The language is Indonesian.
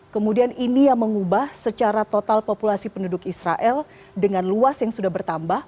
kemudian ini yang mengubah secara total populasi penduduk israel dengan luas yang sudah bertambah